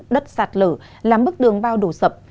đất sạt lở làm mức đường bao đổ sập